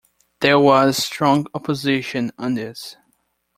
There was strong opposition on this.